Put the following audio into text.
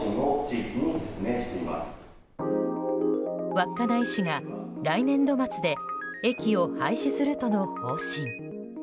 稚内市が来年度末で駅を廃止するとの方針。